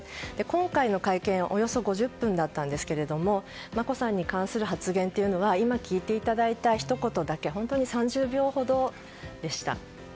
今回の会見はおよそ５０分だったんですが眞子さんに関する発言は今、聞いていただいたひと言だけ本当に３０秒ほどでした。